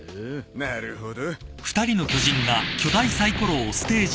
なるほど。